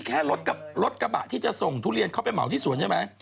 แค่รถกระบะที่จะส่งทุเรียนเข้าไปเหมาที่สวนใช่ไหม